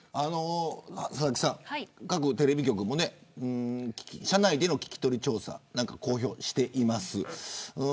佐々木さん、各テレビ局も社内での聞き取り調査を公表しています。